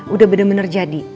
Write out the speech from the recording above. udah bener bener jadi